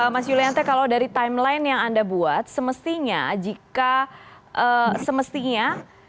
mas yulianto kalau dari timeline yang anda buat semestinya jika semestinya